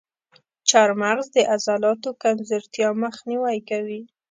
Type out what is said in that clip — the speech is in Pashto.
چارمغز د عضلاتو کمزورتیا مخنیوی کوي.